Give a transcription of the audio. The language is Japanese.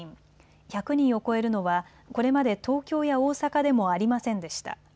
１００人を超えるのはこれまで東京や大阪でもありませんでした。